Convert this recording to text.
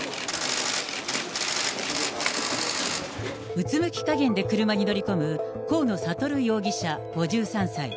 うつむきかげんで車に乗り込む河野智容疑者５３歳。